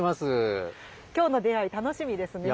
今日の出会い楽しみですね。